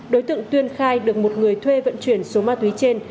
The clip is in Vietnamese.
đối tượng tuyên khai được một người thuê vận chuyển số ma túy trên